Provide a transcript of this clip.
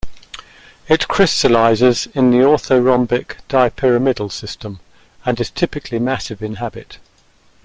It crystallizes in the orthorhombic dipyramidal system and is typically massive in habit.